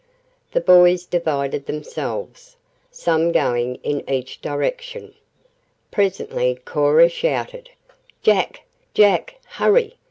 The boys divided themselves some going in each direction. Presently Cora shouted "Jack! Jack! Hurry!